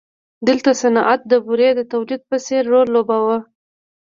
دلته صنعت د بورې د تولید په څېر رول لوباوه.